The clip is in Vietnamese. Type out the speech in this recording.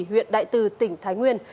huyện đại từ tỉnh thái nguyên